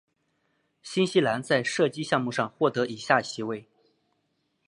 新西兰在射击项目上获得以下席位。